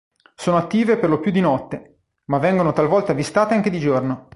Sono attive per lo più di notte, ma vengono talvolta avvistate anche di giorno.